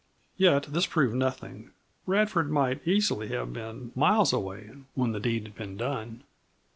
Yet this proved nothing. Radford might easily have been miles away when the deed had been done.